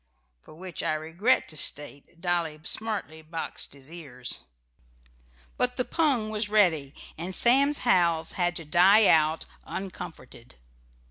For which I regret to state Dolly smartly boxed his ears. But the pung was ready, and Sam's howls had to die out uncomforted.